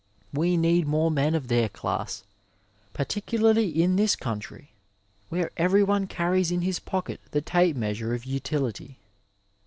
We need more men of their class, particularly in this country, where every one carries in his pocket the tape measure of utility.